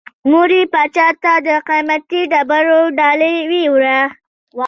مور یې پاچا ته د قیمتي ډبرو ډالۍ یووړه.